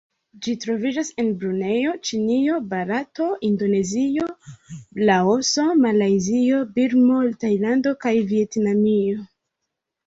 Ĝi troviĝas en Brunejo, Ĉinio, Barato, Indonezio, Laoso, Malajzio, Birmo, Tajlando kaj Vjetnamio.